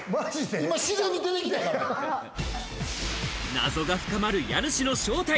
謎が深まる家主の正体。